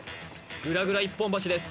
グラグラ一本橋です